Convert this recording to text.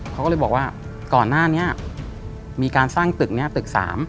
เขาก็เลยบอกว่าก่อนหน้านี้มีการสร้างตึกนี้ตึก๓